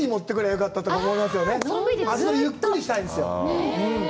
あそこでゆっくりしたいんですよ。